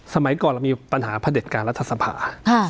สมัยก่อนมีปัญหาภาเดชการรถสภาษณ์